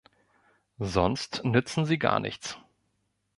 Sonst nützen sie gar nichts.